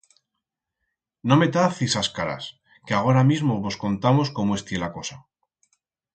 No metaz ixas caras, que agora mismo vos contamos cómo estié la cosa.